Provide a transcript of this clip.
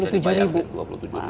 bisa dibayangkan dua puluh tujuh ribu